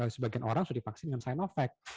sebagian orang sudah divaksin dengan sinovac